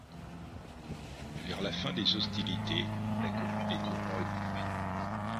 Vers la fin des hostilités, la commune est durement éprouvée.